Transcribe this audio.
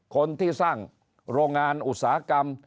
คนที่สร้างโรงงานอุตสาหกรรม